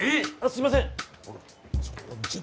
すいません。